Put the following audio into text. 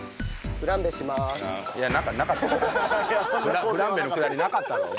フランベのくだりなかったよ。